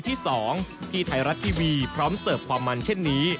ที่๒ที่ไทยรัฐทีวีพร้อมเสิร์ฟความมันเช่นนี้